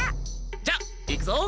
じゃあいくぞ！